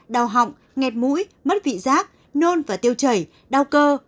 đau họng ngẹt mũi mất vị giác nôn và tiêu chảy đau cơ